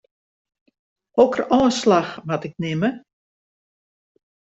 Hokker ôfslach moat ik nimme?